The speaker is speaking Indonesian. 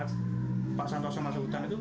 pak santoso masuk hutan itu